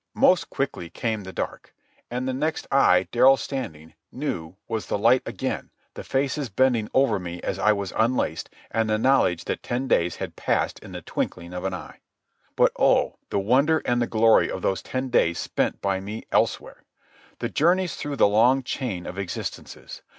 Most quickly came the dark. And the next I, Darrell Standing, knew was the light again, the faces bending over me as I was unlaced, and the knowledge that ten days had passed in the twinkling of an eye. But oh, the wonder and the glory of those ten days spent by me elsewhere! The journeys through the long chain of existences!